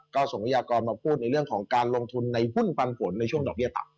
ก็ส่งพยากรมาพูดในเรื่องของการลงทุนในหุ้นปันผลในช่วงดอกเบี้ยต่ำ